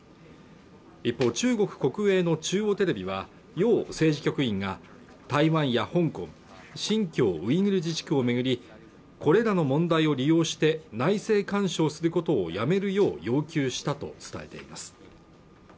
一方中国国営の中央テレビは楊政治局委員が台湾や香港新疆ウイグル自治区を巡りこれらの問題を利用して内政干渉することをやめるよう要求したと伝えています